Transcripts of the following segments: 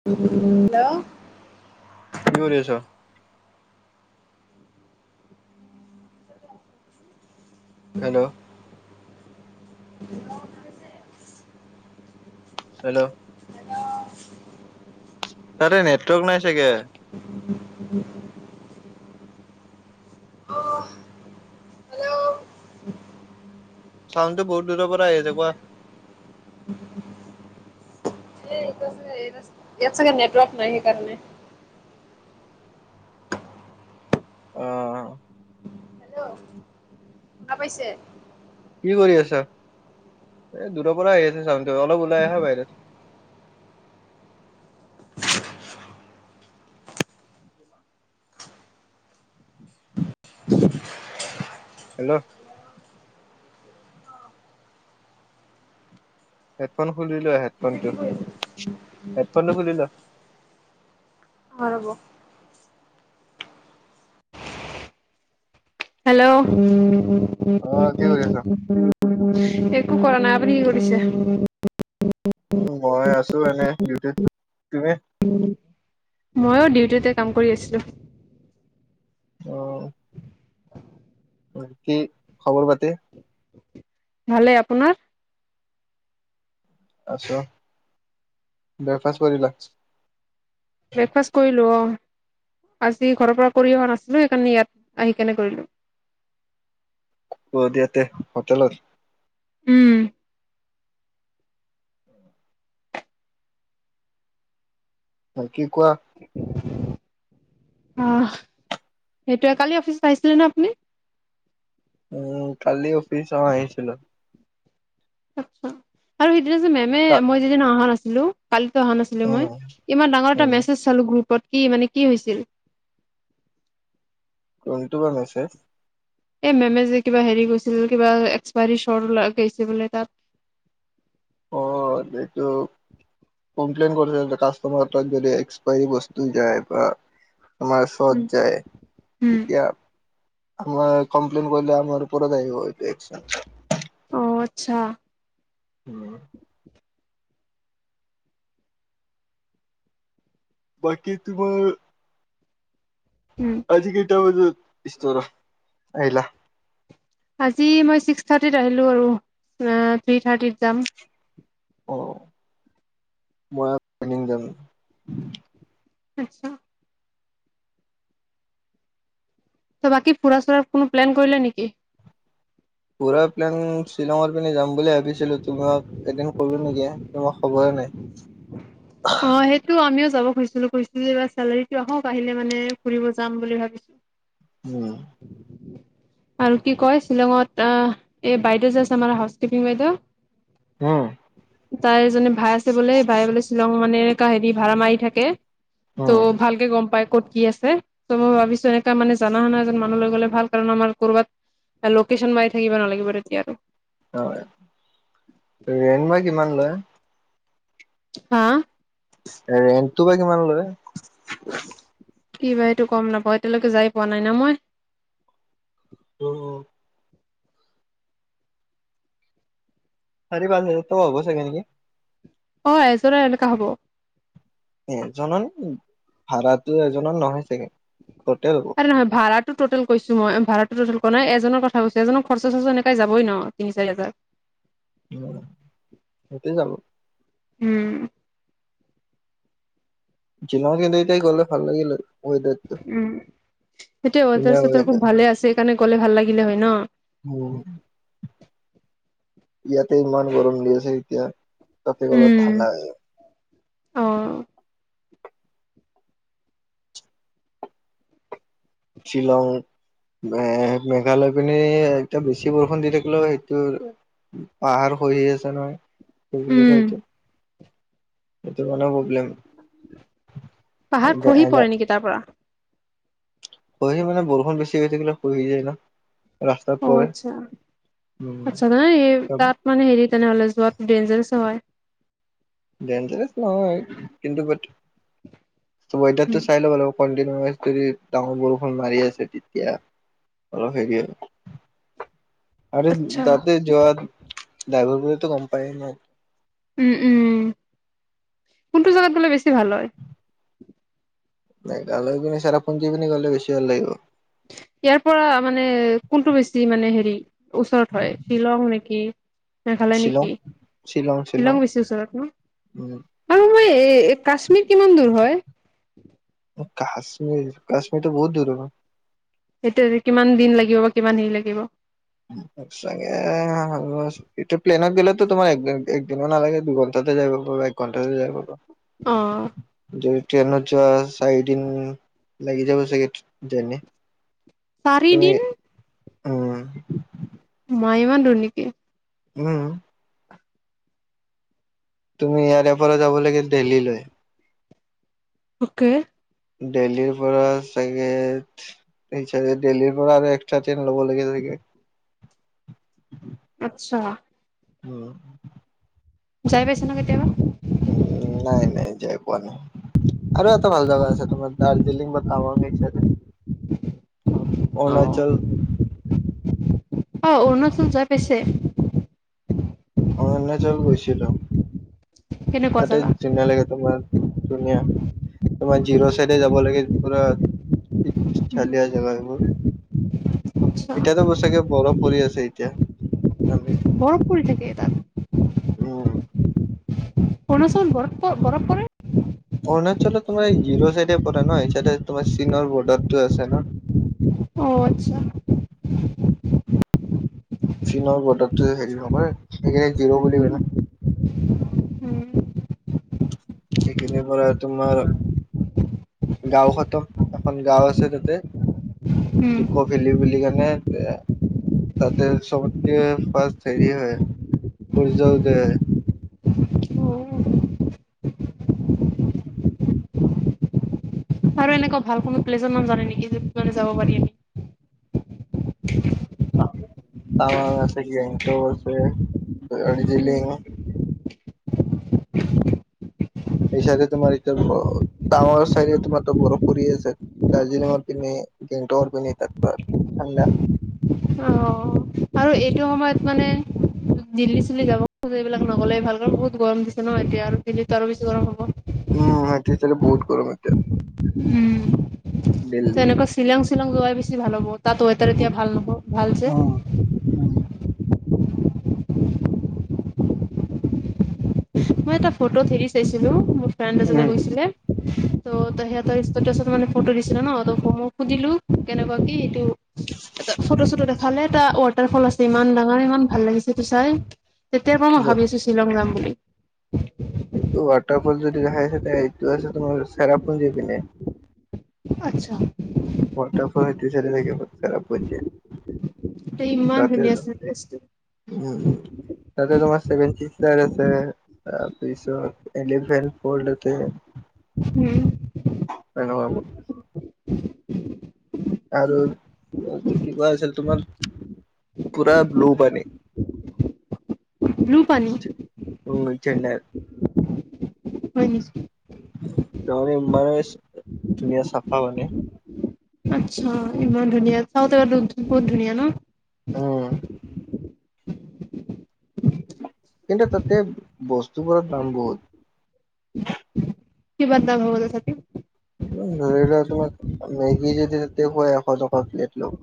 [unintelligible] কি কৰি আছ? হেল্ল', [inaudible] হেল্ল', - তাতে নেটৱৰ্ক নাই চাগে। ইয়াত চাউডত বহুত দূৰ পৰা আহিছে। কোৱা? [unintelligible] ইয়াত চাগে নেটৱৰ্ক নাই সেই কাৰণে। অ। হেল্ল। শুনা পাইছে? কি কৰি আছা? এ দূৰৰ পৰা আহি আছে চাউনটো, অলপ ওলাই আহা বাহিৰত। হেল্ল। হেডফোন খুলিলোৱা হেডফোনটো, হেডফোনটো খুলি লোৱা। অ ৰব। হেল্ল' অ কি কৰি আছা? [unintelligible] একো কৰা নাই। আপুনি কি কৰিছে? উ, মই আছো এনে ডিউটিত। তুমি? ময়ো ডিউটিতে কাম কৰি আছিলো। অ। কি খবৰ পাতি? ভালে। আপোনাৰ? আছো। ব্ৰেকফাষ্ট কৰিলা? ব্ৰেকফাষ্ট কৰিলো অ। আজি ঘৰৰ পৰা কৰি অহা নাছিলো, সেইকাৰণে ইয়াত আহি কেনে কৰিলো। ক'ত ইয়াতে হোটেলত? উম। বাকী কি কোৱা? [inaudible] অ সেইটোৱে, কালি অফিচত আহিছিলে ন আপুনি? উম কালি অফিচ অ আহিছিলো। আৰু সেইদিনা যে মেমে, কা মই যিদিনা অহা নাছিলো কালিটো অহা নাছিলো মই। উম ইমান ডাঙৰ এটা উম মেছেজ চালো গ্ৰুপত, কি মানে? কি হৈছিল? কোনটো বা মেছেজ? এই মেমে যে কিবা হেৰি গৈছিল, কিবা এক্সপায়ৰী শ্বট গৈছিল বোলে তাত। অ এইটো কমপ্লেইন কৰিছে কাষ্টমাৰ ত যদি এক্সপাইৰী বস্তু যায় বা তোমাৰ শ্বত উম, যায় উম। তেতিয়া আমাৰ কমপ্লেইন কৰিলে আমাৰওপৰত আহিবটো এতিয়া একন। অ আচ্ছা। উম। বাকী তোমাৰ উম। আজিকেইটা বজাত ইষ্টৰ আহিল? আজি মই ছিক্স থাৰ্টিত আহিলো আৰু থ্ৰী থাৰ্টিত যাম। অ মই- জামো। আচ্ছা। ত বাকী ফুৰা-চুৰাৰ কোনো প্লেন কৰিলে নেকি? পুৰা প্লান শ্বিলঙৰ পিনে যাম বুলি ভাবিছিলো। তোমাক এদিন কোলো নেকি এ তোমাক খবৰে নাই। অ সেইটো আমিও যাব খুজিছিলো। কছিলো এই চেলাৰীটো আহক, আহিলে মানে ফুৰিব যাম বুলি ভাবি উম। আৰু কি কয় শ্বিলঙত, অ এই বাইদেউ যে আছে আমাৰ হাউচ টিপিং বাইদ অ। তাই এজনে ভাই আছে বোলে ভাই বোলে শ্বিলং মানে কাহিনী ভাৰা মাৰি থাকে ত' উম, ভালকে গম পাই ক'ত কি আছে ত মই ভাবিছো এনেকা মানে জনা শুনা এজন মানুহলৈ গ'লে ভাল কাৰণ আমাৰ কৰ'বাত লোকেশচন মাৰি থাকিব নালাগিব তেতিয়া আৰু হয় ৰেন মই কিমান লয় হা ৰেন্টটো বা কিমান লয় কি বা এইটো গম নাপাও এতিয়ালৈকে যাই পোৱা নাই না মই অ চাৰি পাছ হাজাৰটো হব চাগে অ এজনৰ এনেকা হব এজনৰ ভাড়া এজনৰ নহয় চাগে টেল আ নহ ভাড়াটো টটেল কৈছো মই ভাড়াটো টটেল কৰা নাই এজনৰ কথা কৈছো এজননৰ খৰচ চচা এনেকৈ যাবই ন তিনি চাৰি হাজাৰ উ সেইটোৱৈ যাব উম জিলাৰ কে তাই গ'লে ভাল লাগিল হয় ৱেডাৰটো উম সেইটো ধুনীয়া অাৰ চাৰ খুব ৱেডাৰ ভালে আছে সেইকাৰণে গ'লে ভাল লাগিলে হয় ন উ ইয়াতে ইমান গৰম দি আছে এতিয়া তাতে অলপ উম ঠাণ্ডা হৈ যাব অ শ্বিলং এ মেঘালয় পিনে এয়া বেছি বৰষুণ দি থাকিলেও সেইটো পাহাৰ খহি আছে নহয় সেই বুলি উম। কয় এইটো এইটো কো পাহাৰ খহি পৰে প্ৰব্লেম নেকি তাৰ পৰা হৈ হৈছে মানে বৰষুণ বেছি হৈ থাকিলে হৈ হৈ যায় ন ৰাস্তাত অ পৰে আচ্ছা উম আচ্ছা ন তাত মানে হেৰি তেনেহলে যোৱাত ডনজাৰেচ হয় ডনজাৰেছ নহয় কিন্তু এাতো উম। চাই ল ল কণ্টিনোআছ যদি ডাঙৰ বৰষুণ মাৰি আছে তেতিয়া অলপ হেৰি হয় আৰু আচ্ছা তাতে যোৱাৰ ড্ৰাইভৰ বিলাকে তো গম পায় ন ওম, ওম, কোনটো জেগাত গ'লে বেছি ভাল হয়? মেঘালয় [inaudible] চেৰাপুঞ্জীৰ পিনে গলে বেছি ভাল লাগিব। ইয়াৰ পৰা মানে কোনটো বেছি মানে হেৰি, ওচৰত হয় শ্বিলং নেকি। মেঘালয় শ্বিলং নেকি? শ্বিলং বেছি ওচৰত ন? উম। আৰু মই এই কাশ্মীৰ কিমান দূৰ হয়? কাশ্মীৰ কাশ্মীৰটো বহুত দূৰ হ'ব। সেইটোৱে কিমান দিন লাগিব বা কিমান হেৰি লাগিব। চাগে। [inaudible] এইটো প্লেনত গলে তো তোমাৰ একদিনো নালাগে দুঘণ্টাতে যাব পাৰি বা এক ঘণ্টাতে যাব পাৰি। অ, যদি ট্ৰেইনত যোৱা চাৰি দিন লাগিব চাগে, কিজানি। চাৰি দিন, উম। মা ইমান দূৰ নেকি? হুম। তুমি ইয়াৰে পৰা যাব লাগে দেল্লীলৈ, অ'কে। দেল্লীৰ পৰা চাগে [inaudible] দেল্লীৰ পৰা আৰু এক্সট্ৰা ট্ৰেইন ল'ব লাগে চাগে। আচ্ছা। উম, যায় পাইছা নেকেতিয়াবা? [unintelligible] নাই, নাই এতিয়া কোৱা। আৰু এটা ভাল জাগা আছে তোমাৰ দাৰ্জিলিং বা টাৱাং সেই চাইডে অ' অৰুণাচল অ, অৰুণাচল যাই পাইছে? অৰুণাচল গৈছিলোঁ, কেনেকুৱা তাতে জাগা? ধুনীয়া লাগে তোমাৰ ধুনীয়া। তোমাৰ জিৰ' চাইডে যাব লাগে পুৰা চালীয়া জেগা এইবোৰ। আচ্ছা এতিয়াতো চাগে বৰফ পৰি আছে এতিয়া [unintelligible] বৰফ পৰি থাকে তাত। উম। [inaudible] বৰফ বৰফ পৰে। অৰুণাচলত তোমাৰ জিৰ' চাইডে পৰে ন এই চাইডে তোমাৰ চীনৰ বৰ্ডাৰটো আছে ন! অ', আচ্ছা। [inaudible] চিনৰ বডাৰ হেৰি নকৰে স জিৰো বুলি ক ন। উম সেইখিনৰ পৰা তোমাৰ গাঁওখনত এখন গাঁও আছে তাতে, উম ইক' ভেলী বুলি কণে এ তাতে চবতকে ফাৰ্ষ্ট হেৰি হয়, সূৰ্য্য উদয় হয়। অ আৰু এনেকুৱা ভাল কোনো প্লেছৰ নাম জানে নেকি, য'ত মানে যাব পাৰি [unintelligible] তামাং আছে, গেংটক আছে, উম দাৰ্জিলিং সেইচাইডে তোমাৰ এতিয়া টাৱাৰ চাইডে তোমাৰতো বৰফ পৰি আছে। দাৰ্জিলিঙৰ পিনে গেংটকৰ পিনে [unintelligible] ঠাণ্ডা। অ'। আৰু এইটো সময়ত মানে, দিল্লী চিলি যাব এইবিলাক নগ'লে ভাল কাৰণ বহুত গৰম দিছে ন, এতিয়া আৰু দিল্লীত আৰু বেছি গৰম হ'ব। উম, এতিয়া চাগে বহুত গৰম হয়। উম, দিল্লী তেনেকুৱা শ্বিলং, শ্বিলং যোৱাই বেছি ভাল হ'ব তাত ৱেডাৰ উ এতিয়া ভাল নহ ভাল যে উম মই এটা ফটো হেৰি চাইছিলো মোৰ ফ্ৰেণ্ড এজনে উম গৈছিলে ত সিহঁতৰ ইচতেতাচত মানে ফটো দিছিলে ন ত মই সুধিলো কেনেকুৱা কি এইটো এটা ফটো চটো দেখালে এটা ৱাটাৰ ফল আছে ইমান ডাঙৰ ইমান ভাল লাগিছে তোৰ চাই তেতিয়াৰ পৰা মই ভাবি আছো শ্বিলং যাম বুলি সেইটো ওৱাতাৰ ফ যদি দেখাই আছে তেয়া এইটো আছে তোমাৰ চেৰাপুঞ্জি পিনে আচ্ছা ওৱাতাৰফল হেতো চাইদত থাকিব চেৰাপুঞ্জিত তে ইমান ততে ধুনীয়া আছিল প্লেচটো উম তাতে তোমাৰ চেভেন চিচতাৰ আছে তাৰপিছত এলিভেন ফল্ড আছে উম অ আৰুটো কি কোৱা আছিল তোমাৰ পুৰা ব্লু পানী ব্লু পানী উম চেন্নাইত হয়নি ত মানে ধুনীয়া চাফা মানে আচ্ছা ইমান ধুনীয়া চাওতেতো বহুত ধুনীয়া ন উম কিন্তু তাতে বস্তুবোৰৰ দাম বহুত কি বন্ধা হত আা ধৰি লোৱা তোমাক মেগী যদি তেতেখুৱ এশ টকা প্লেট ল'ব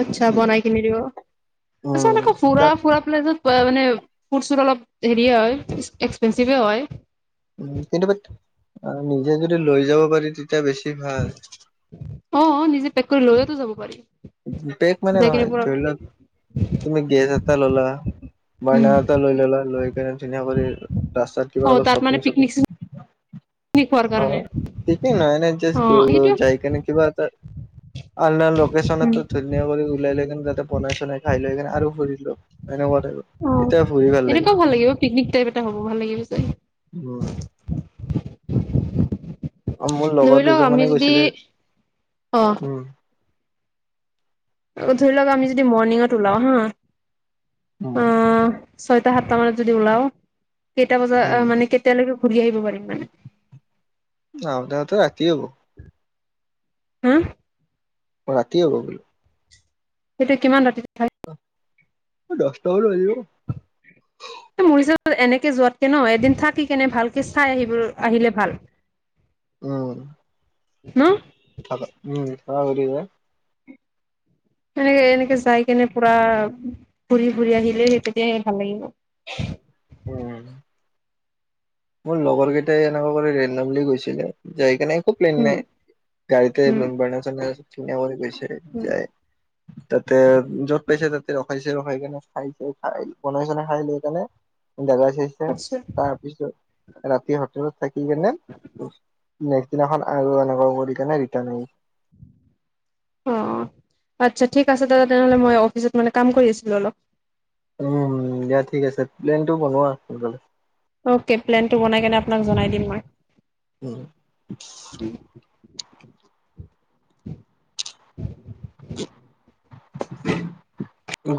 আত্ছা বনাই কিনি দিব তাৰছত উম আকৌ ফুৰা তাত ফুৰা পেলাই যত মানে ফুড চুড অলপ হেৰিয়ে হয় এক্সপেঞ্চিভে হয় উ কিন্তুা নিজে যদি লৈ যাব পাৰি তেতিয়া বেছি ভাল অ নিজে পেক কৰি লজ তো যাব পাৰি বি বেক মানে যাই কিনে নহয় পুৰা ধৰি লওক তুমি গেছ এটা ললা উম। বাৰণাৰ এটা লৈ ললা লৈ কেনে ধুনীয়া কৰি ৰাস্তাত অ কিবা অলপ তাত মানে শ্বপিং চপিং পিকনিক চিকনিক খোৱাৰ অ কাৰণে ঠিকেই নয়নেজ অ স্ গুল সেইটোৱে যাইক নে কিবা আ আল লোকেশচনত উম, ধুনীয়া কৰি ওলাই লৈ কিনে তাতে বনাই চনাই খাই লৈকনে আৰু ফুৰিলো এনেকুৱা াইো অ এনেকুৱাও ভাল লাগিব পিকনিক টাইপ এটা হ'ব ভাল লাগিব চাই উম অ মোৰ ধৰি লগত লওক দুজন আমি মানে যদি গৈছিলে অ', উম ধৰি লওক আমি যদি মৰ্ণিঙত ওলাও হা উম আহ ছয়টা সাতটা মানত যদি ওলাও কেইটা বজাত উম মানে কেতিয়ালৈকে ঘূৰি আহিব পাৰিম মানে ন আপোনতো ৰাতি হব হা অ ৰাতিয় হ' বো সেইটো কিমান অতি থ দস্তও ল যিব মৰিচা এনেকে যোৱাতকে ন এদিন থাকি কেনে ভালকে চাই আহিব আহিলে ভাল অ হা উম হ বৰিদ এনেকে এনেকে যাই কেনে পুৰা ঘুৰি ফুৰি আহিলে সেই তেতিয় স ভাল লাগিব উম মোৰ লগৰ কেইটাই এনেকুৱা কৰি লৰেনডামলে গৈছিলে যায়কেনে একো প্লেন উম, নাই গা়ীতে ব উম, চ কিিনৱ গৈছে উম, যায় [unintelligible] তাতে জত পাইছে তাতে ৰখাইছে ৰখাই কেনে খাইছে খাই বনাই চনাই খাই লৈ পিনে জেগা চাইছে আচ্ছা। তাৰপিছত ৰাতি হোটেলত থাকি কেনে নেক্স দিনাখন আৰু এনেকুৱা কৰি কেনে ৰিটাৰন আহি অ আচ্ছা ঠিক আছে দাদা তেনেহ'লে মই অফিচত মানে কাম কৰি আছিলো অলপ উমম দিয়া ঠিক আছে প্লেন টো বনোৱা সোনকালে অকে প্লেনটো বনাই কেনে আপোনাক জনাই দিম মই উম উম [unintelligible]